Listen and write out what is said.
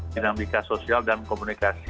bidang lika sosial dan komunikasi